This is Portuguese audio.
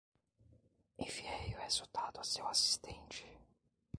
Enviei o resultado a seu assistente.